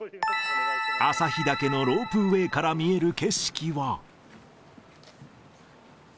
旭岳のロープウエーから見える景色は。